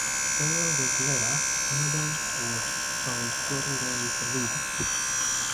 Several days later, another was found floating down the river.